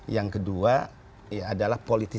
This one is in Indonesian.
yang kedua adalah politik